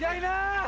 eh ada ini pak